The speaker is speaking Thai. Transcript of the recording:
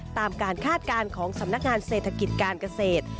ตามการคาดการณ์ของสำนักงานเศรษฐกิจการเกษตร